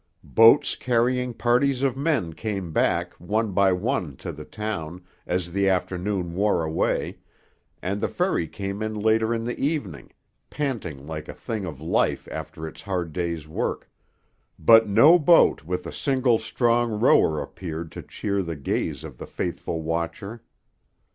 Boats carrying parties of men came back, one by one, to the town, as the afternoon wore away, and the ferry came in later in the evening, panting like a thing of life after its hard day's work; but no boat with a single, strong rower appeared to cheer the gaze of the faithful watcher.